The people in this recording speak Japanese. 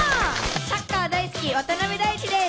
サッカー大好き渡辺大馳です！